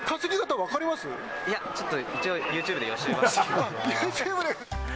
いや、ちょっと一応、ユーチユーチューブで？